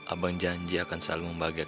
abang janji akan selalu membagikan kamu rum